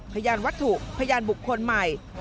พยานวัตถุพยานบุคคลใหม่